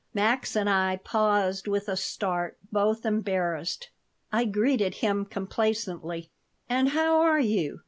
Max and I paused with a start, both embarrassed. I greeted him complaisantly "And how are you?"